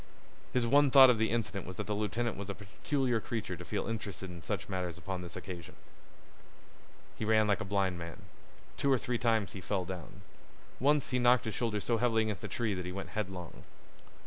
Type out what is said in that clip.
His one thought of the incident was that the lieutenant was a peculiar creature to feel interested in such matters upon this occasion. He ran like a blind man. Two or three times he fell down. Once he knocked his shoulder so heavily against a tree that he went headlong.